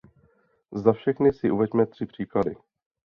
Za všechny si uveďme tři příklady.